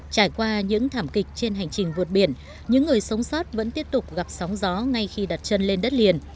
trải qua những thảm kịch trên hành trình vượt biển những người sống sót vẫn tiếp tục gặp sóng gió ngay khi đặt chân lên đất liền